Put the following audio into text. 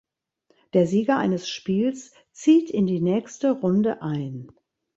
Der Sieger eines Spiels zieht in die nächste Runde ein.